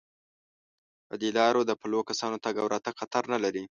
په دې لارو د پلو کسانو تگ او راتگ خطر نه لري.